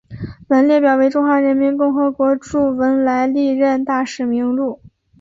本列表为中华人民共和国驻文莱历任大使名录。